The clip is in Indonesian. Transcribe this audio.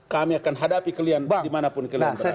kami akan hadapi kalian dimanapun kalian berada